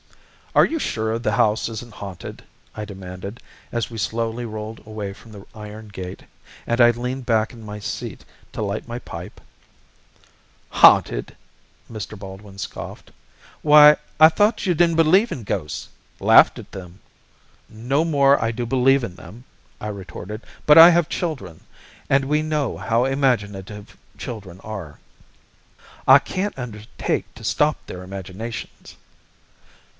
"Are you sure the house isn't haunted?" I demanded, as we slowly rolled away from the iron gate, and I leaned back in my seat to light my pipe. "Haunted!" Mr. Baldwin scoffed, "why, I thought you didn't believe in ghosts laughed at them." "No more I do believe in them," I retorted, "but I have children, and we know how imaginative children are." "I can't undertake to stop their imaginations."